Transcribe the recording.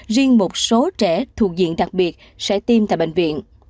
riêng một số trẻ thuộc diện đặc biệt sẽ tiêm tại bệnh viện